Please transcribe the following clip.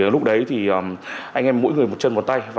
lúc đấy thì anh em mỗi người một chân vào tay